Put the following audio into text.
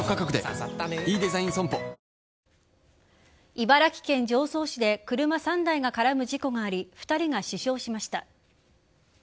茨城県常総市で車３台が絡む事故があり２人が死傷しました。